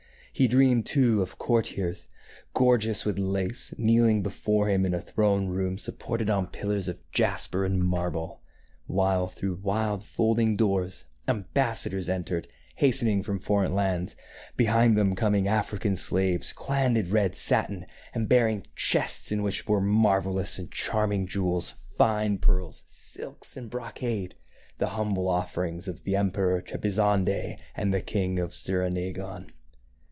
He dreamed, too, of courtiers, gorgeous with lace, kneeling before him in a throne room supported on pillars of jasper and marble ; while, through wide folding doors, ambassadors entered, hastening from foreign lands, behind them coming African slaves, clad in red satin and bearing chests in which were marvellous and charming jewels, fine pearls, silks, and brocade, — the humble offerings of the Emperor of Trebizonde and the King of Sirinagon.